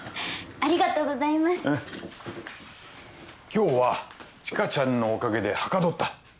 今日は知花ちゃんのおかげではかどった。